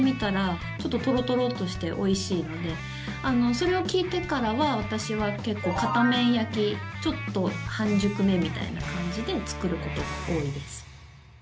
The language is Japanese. それを聞いてからは私は結構、片面焼きちょっと半熟めみたいな感じで作ることが多いです。